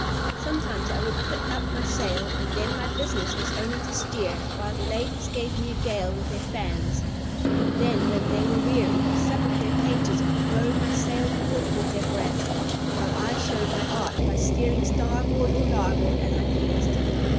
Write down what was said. Sometimes I would put up my sail and then my business was only to steer, while the ladies gave me a gale with their fans; and when they were weary, some of their pages would blow my sail forward with their breath, while I showed my art by steering starboard or larboard as I pleased.